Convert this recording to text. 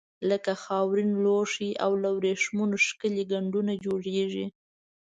لکه خاورین لوښي او له وریښمو ښکلي ګنډونه جوړیږي.